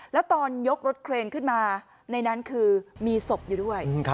แล้วตอนยกรถเครนขึ้นมาในนั้นคือมีศพอยู่ด้วย